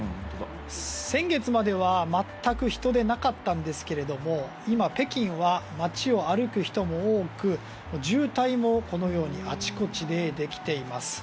先月までは全く人出なかったんですけれども今、北京は街を歩く人も多く渋滞も、このようにあちこちでできています。